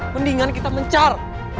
mendingan kita mencar